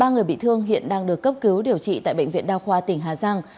ba người bị thương hiện đang được cấp cứu điều trị tại bệnh viện đa khoa tỉnh hà giang